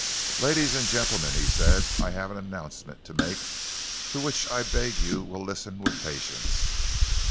"Ladies and gentlemen," he said, "I have an announcement to make to which I beg you will listen with patience.